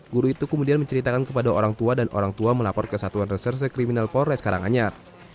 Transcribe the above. guru itu kemudian menceritakan kepada orang tua dan orang tua melapor ke satuan reserse kriminal polres karanganyar